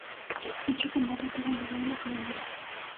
Dicho combate tuvo lugar en la primavera.